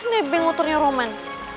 debeng oturnya roman